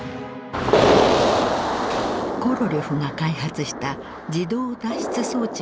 コロリョフが開発した自動脱出装置が作動。